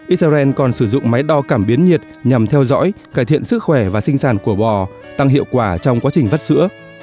israel còn sử dụng máy đo cảm biến nhiệt nhằm theo dõi cải thiện sức khỏe và sinh sản của bò tăng hiệu quả trong quá trình vắt sữa